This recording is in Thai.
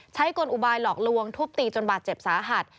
กลอุบายหลอกลวงทุบตีจนบาดเจ็บสาหัส